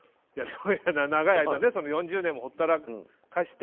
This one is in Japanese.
長い間４０年もほったらかして。